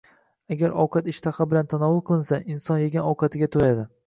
Agar ovqat ishtaha bilan tanovul qilinsa, inson yegan ovqatiga to‘yadi.